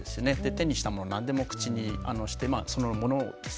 手にしたもの何でも口にしてそのものをですね学習する。